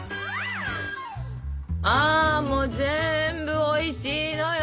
あもう全部おいしいのよ！